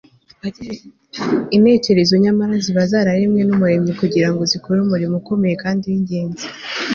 intekerezo nyamara ziba zararemwe n'umuremyi kugira ngo zikore umurimo ukomeye kandi w'ingenzi